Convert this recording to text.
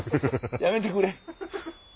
やめてくれ！